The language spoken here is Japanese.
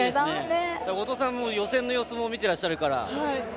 後藤さん、予選の様子も見てらっしゃるから。